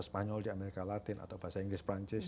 spanyol di amerika latin atau bahasa inggris perancis